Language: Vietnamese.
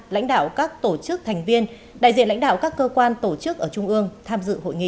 lãnh đạo các tổ chức thành viên đại diện lãnh đạo các cơ quan tổ chức ở trung ương tham dự hội nghị